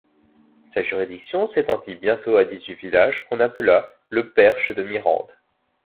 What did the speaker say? Sa juridiction s'étendit bientôt à dix-huit villages qu'on appela le Perche de Mirande.